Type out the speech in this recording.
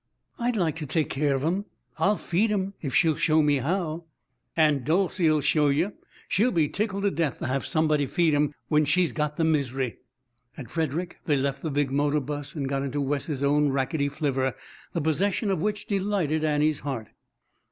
"I'd like to take care of 'em. I'll feed 'em, if she'll show me how." "Aunt Dolcey'll show you. She'll be tickled to death to have somebody feed 'em when she's got the mis'ry." At Frederick they left the big motor bus and got into Wes's own rackety flivver, the possession of which delighted Annie's heart.